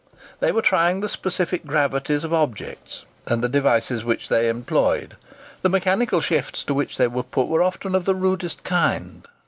They were trying the specific gravities of objects; and the devices which they employed, the mechanical shifts to which they were put, were often of the rudest kind.